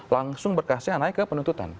langsung berkasnya naik ke penuntutan